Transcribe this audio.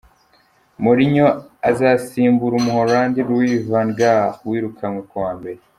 Mourinho azasimbura umuholandi Louis van Gaal wirukanwe ku wa mbere.